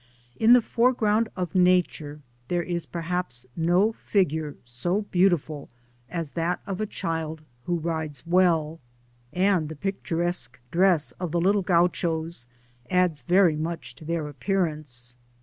In the fore , groui^d of Nature, there is perhaps no figure so beautiful as that of a child who rides well, and the picturesque dress of the little Gauchos adds very much to their appearance.